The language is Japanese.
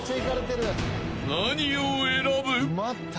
［何を選ぶ？］